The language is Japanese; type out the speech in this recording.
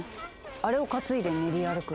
あれを担いで練り歩く。